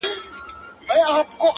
زه په تیارو کي چي ډېوه ستایمه،